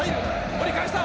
折り返した！